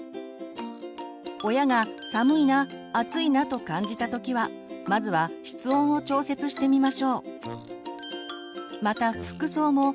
親が「寒いな」「暑いな」と感じた時はまずは室温を調節してみましょう。